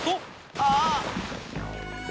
ああ！